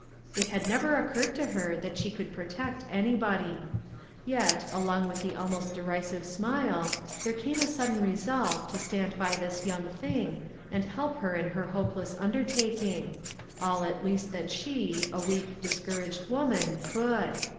It had never occurred to her that she could protect anybody. Yet, along with the al most derisive smile, there came a sudden resolve to stand by this young thing, and help her in her hopeless undertaking ; all at least that she, a weak, discouraged woman, could.